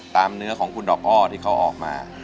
เนื้อของคุณดอกอ้อที่เขาออกมา